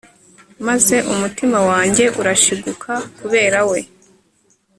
maze umutima wanjye urashiguka kubera we